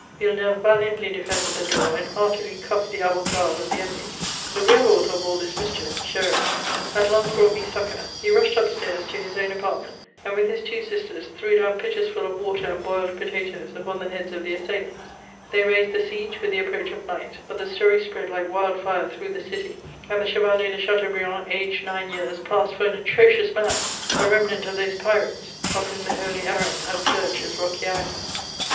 Villeneuve valiantly defended the door, and heartily cuffed the avant guard of the enemy. The real author of all this mis chief, Gesril, at last brought me succour : he rushed up stairs to his own apartment, and with his two sisters threw down pitchers full of water and boiled potatoes upon the heads of the assailants : they raised the siege with the approach of night ; but the story spread like wildfire through the city ; and the Chevalier de Chateaubriand, aged nine years, passed for an atrocious man, — ^a remnant of those pirates, of whom the Holy Aaron had purged his rocky island.